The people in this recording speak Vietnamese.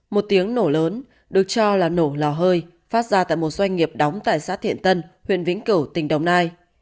một tiếng nổ lớn được cho là nổ lò hơi phát ra tại một doanh nghiệp đóng tại xã thiện tân huyện vĩnh cửu tỉnh đồng nai